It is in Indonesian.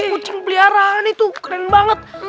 musim peliharaan itu keren banget